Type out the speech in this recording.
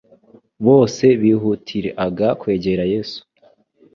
bose bihutil-aga kwegera Yesu.